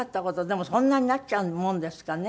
でもそんなになっちゃうもんですかね。